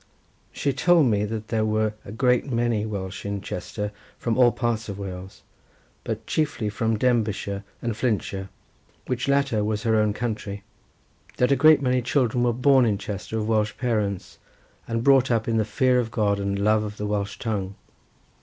She told me that there were a great many Welsh in Chester from all parts of Wales, but chiefly from Denbighshire and Flintshire, which latter was her own county. That a great many children were born in Chester of Welsh parents, and brought up in the fear of God and love of the Welsh tongue.